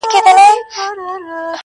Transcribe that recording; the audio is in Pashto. زموږ به کله د عمرونو رنځ دوا سي.